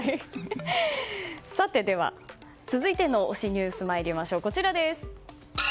では、続いての推しニュース参りましょう。